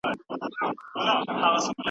د ملکیار په سبک کې د کلام قدرت او روانی شته.